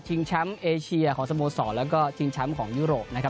แชมป์เอเชียของสโมสรแล้วก็ชิงแชมป์ของยุโรปนะครับ